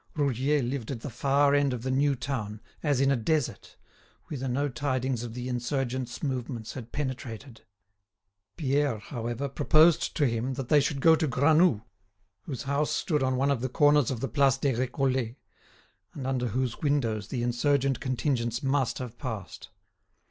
Roudier lived at the far end of the new town, as in a desert, whither no tidings of the insurgents' movements had penetrated. Pierre, however, proposed to him that they should go to Granoux, whose house stood on one of the corners of the Place des Récollets, and under whose windows the insurgent contingents must have passed.